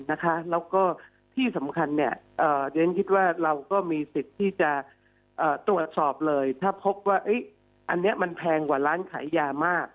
แล้วก็ที่สำคัญเรียนคิดว่าเราก็มีสิทธิ์ที่จะตรวจสอบเลยถ้าพบว่าอันนี้มันแพงกว่าร้านขายยามาก